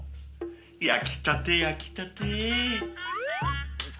焼きたて、焼きたて。